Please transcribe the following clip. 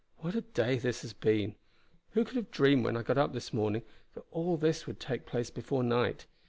What a day this has been. Who could have dreamed when I got up in the morning that all this would take place before night.